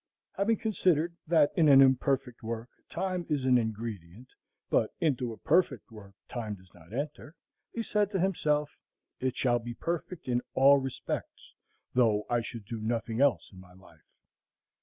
Having considered that in an imperfect work time is an ingredient, but into a perfect work time does not enter, he said to himself, It shall be perfect in all respects, though I should do nothing else in my life.